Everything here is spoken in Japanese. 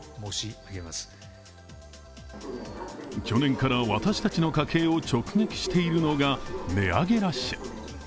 去年から私たちの家計を直撃しているのが値上げラッシュ。